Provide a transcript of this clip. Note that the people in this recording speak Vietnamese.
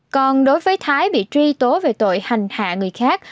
còn đối với thái bị truy tố về tội hành hạ người khác